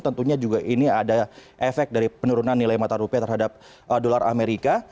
tentunya juga ini ada efek dari penurunan nilai mata rupiah terhadap dolar amerika